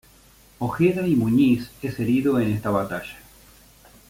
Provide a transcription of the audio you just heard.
Ojeda y Muñiz es herido en esta Batalla.